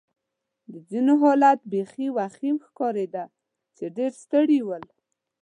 د ځینو حالت بېخي وخیم ښکارېده چې ډېر ستړي ول.